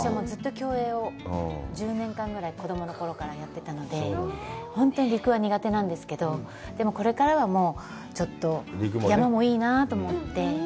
ずっと競泳を１０年間ぐらい子供のころからやっていたので、本当に陸は苦手なんですけど、でも、これからはもうちょっと山もいいなと思って。